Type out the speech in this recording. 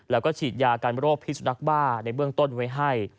แล้วก็ฉีดยากันโรคพิสุนักบ้าในเบื้องต้นไว้ให้